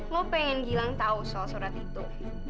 lo pengen gilang tahu soal surat itu